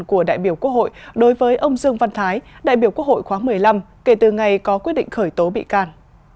của đại biểu quốc hội đối với ông dương văn thái đại biểu quốc hội khóa một mươi năm kể từ ngày có quyết định khởi tố bị can